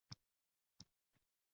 Yoniq qalbda san’at mo‘’jizasi